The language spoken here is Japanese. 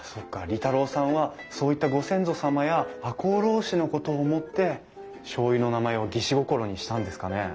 利太郎さんはそういったご先祖様や赤穂浪士のことを思ってしょうゆの名前を義士心にしたんですかね。